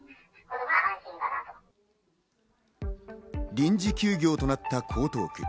臨時休業となった江東区。